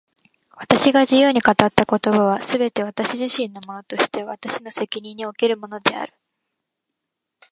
私が自由に語った言葉は、すべて私自身のものとして私の責任におけるものである。